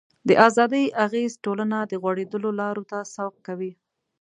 د ازادۍ اغېز ټولنه د غوړېدلو لارو ته سوق کوي.